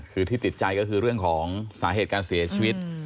คือที่ติดใจก็คือเรื่องของสาเหตุการเสียชีวิต